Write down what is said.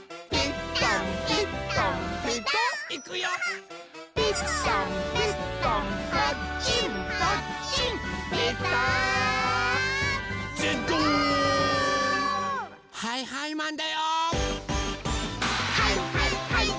「はいはいはいはいマン」